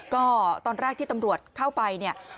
ก็ตอนแรกที่ตำรวจเข้าไป